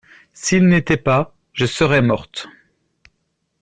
S'il n'était pas, je serais morte.